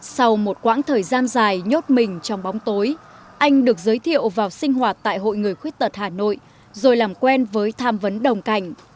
sau một quãng thời gian dài nhốt mình trong bóng tối anh được giới thiệu vào sinh hoạt tại hội người khuyết tật hà nội rồi làm quen với tham vấn đồng cảnh